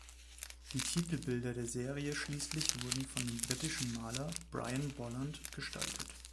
Die Titelbilder der Serie schließlich wurden von dem britischen Maler Brian Bolland gestaltet.